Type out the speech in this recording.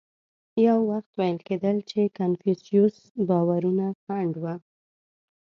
یو وخت ویل کېدل چې کنفوسیوس باورونه خنډ و.